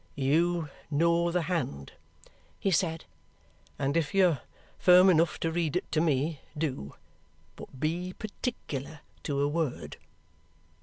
"You know the hand," he said, "and if you are firm enough to read it to me, do! But be particular to a word."